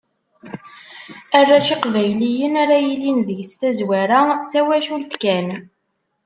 Arrac Iqbayliyen ara yilin deg-s tazwara, d twacult kan.